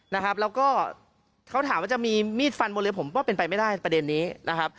นะครับแล้วก็เขาถามว่าจะมีมีดฟันบนเรือผมว่าเป็นไปไม่ได้ประเด็นนี้นะครับ